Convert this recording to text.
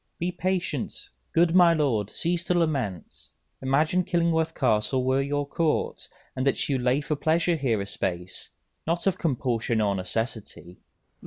_ Be patient, good my lord, cease to lament; Imagine Killingworth Castle were your court, And that you lay for pleasure here a space, Not of compulsion or necessity.